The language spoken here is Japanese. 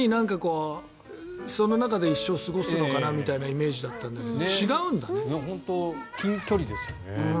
その中で一生を過ごすのかなみたいなイメージだったんだけど本当に近距離ですよね。